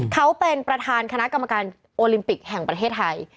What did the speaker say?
เขาเป็นประธานคณะกรรมการโอลิมปิกแห่งประเทศไทย